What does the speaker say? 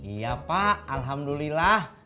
iya pak alhamdulillah